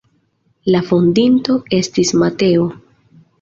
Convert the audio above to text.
La fondinto estis Mateo.